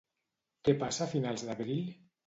Què passa a finals d'abril?